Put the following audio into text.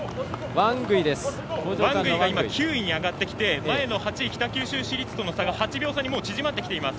ワングイが９位に上がってきて前の８位、北九州市立との差が８秒差に縮まってきています。